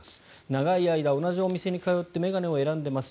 長い間同じお店に通って眼鏡を選んでいます